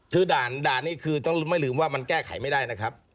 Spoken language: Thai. คือด่านนี้คือต้องไม่ลืมว่ามันแก้ไขไม่ได้นะครับ